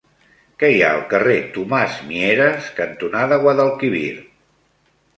Què hi ha al carrer Tomàs Mieres cantonada Guadalquivir?